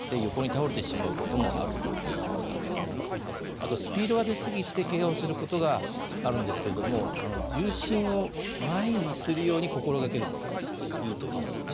あとスピードが出過ぎてけがをすることがあるんですけれども重心を前にするように心がけるといいということなんですね。